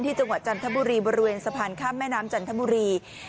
จังหวัดจันทบุรีบริเวณสะพานข้ามแม่น้ำจันทบุรี